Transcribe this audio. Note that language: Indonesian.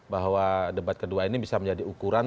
bahwa debat kedua ini bisa menjadi ukuran